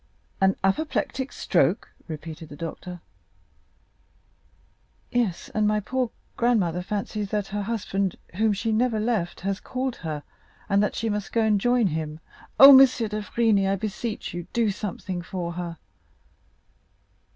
"An apoplectic stroke?" repeated the doctor. "Yes, and my poor grandmother fancies that her husband, whom she never left, has called her, and that she must go and join him. Oh, M. d'Avrigny, I beseech you, do something for her!"